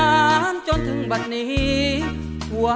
สมาธิพร้อมเพลงที่๑เพลงมาครับ